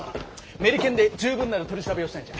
メリケンで十分なる取り調べをしたいんじゃ。